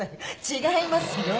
違いますよ。